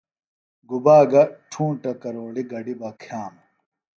گُبا گہ ٹُھونٹہ کروڑیۡ گڈیۡ بہ کِھئانوۡ